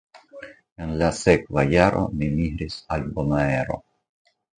En la sekva jaro li migris al Bonaero.